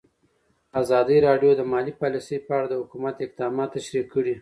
ازادي راډیو د مالي پالیسي په اړه د حکومت اقدامات تشریح کړي.